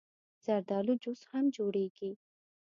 زردالو جوس هم جوړېږي.